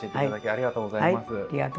ありがとうございます。